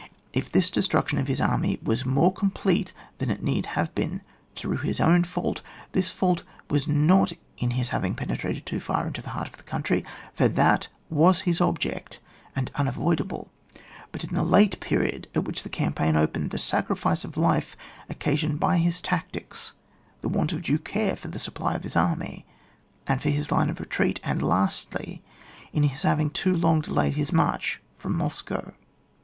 If this destruction of his army was more complete than it need have been through his own fault, this fault was not in his having penetrated too far into the heart of the country, for that was his object, and unavoidable ; but in the late period at which the campaign opened, the sacrifice of life occasioned by his tactics, the want of due care for the supply of his army, and for his line of retreat, and lastly, in his having too long delayed his march from Moscow.